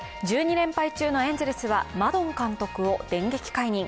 １２連敗中のエンゼルスはマドン監督を電撃解任。